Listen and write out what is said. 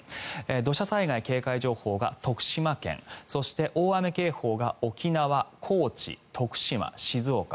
土砂災害警戒情報が徳島県そして、大雨警報が沖縄、高知、徳島、静岡